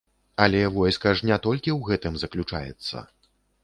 Але войска ж не толькі ў гэтым заключаецца.